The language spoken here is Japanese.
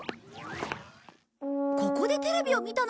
ここでテレビを見たのかな？